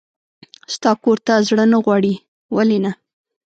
ستا کور ته زړه نه غواړي؟ ولې نه.